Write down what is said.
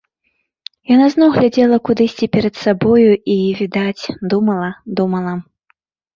Яна зноў глядзела кудысьці перад сабою і, відаць, думала, думала.